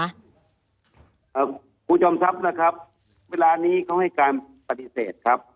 คุณจอมทรัพย์ล่ะครับเวลานี้เขาให้การปฏิเสธครับ